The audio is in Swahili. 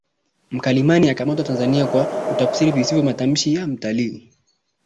Mkalimani akamatwa Tanzania kwa kutafsiri visivyo matamshi ya mtalii